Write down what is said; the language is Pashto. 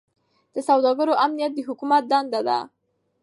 د سوداګرو امنیت د حکومت دنده ده.